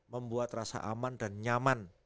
membuat rasa aman dan nyaman